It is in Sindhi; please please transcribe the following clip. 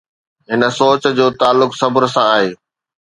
هن سوچ جو تعلق صبر سان آهي.